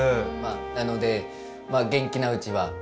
まあなので元気なうちは。